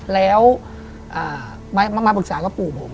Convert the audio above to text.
แล้วมาปรึกษากับปู่ผม